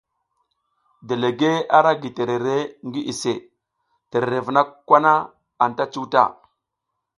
Delegue ara gi terere ngi iʼse, terere vuna kwa na anta cuta.